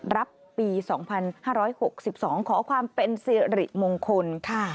รับปี๒๕๖๒ขอความเป็นสิริมงคล